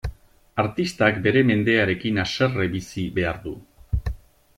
Artistak bere mendearekin haserre bizi behar du.